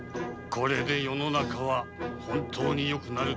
世の中は本当によくなる。